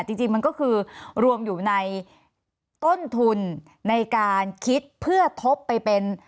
จริงมันก็คือรวมอยู่ในต้นทุนในการคิดเพื่อทบไปเป็น